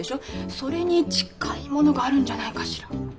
それに近いものがあるんじゃないかしら。